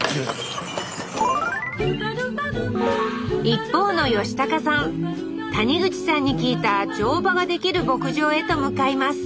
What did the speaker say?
一方の吉高さん谷口さんに聞いた乗馬ができる牧場へと向かいます